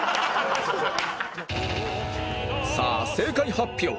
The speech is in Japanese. さあ正解発表！